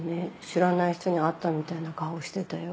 知らない人に会ったみたいな顔してたよ。